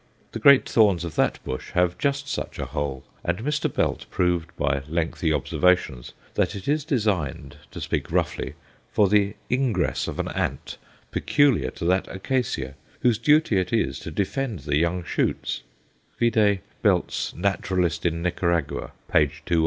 The great thorns of that bush have just such a hole, and Mr. Belt proved by lengthy observations that it is designed, to speak roughly, for the ingress of an ant peculiar to that acacia, whose duty it is to defend the young shoots vide Belt's "Naturalist in Nicaragua," page 218.